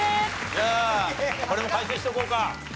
じゃあこれも解説しておこうか。